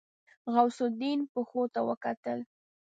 غوث الدين پښو ته وکتل.